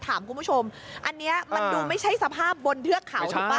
คุณผู้ชมอันนี้มันดูไม่ใช่สภาพบนเทือกเขาถูกป่